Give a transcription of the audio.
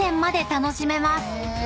楽しめます］